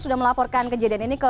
sudah melaporkan kejadian ini